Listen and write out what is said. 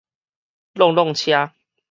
挵挵車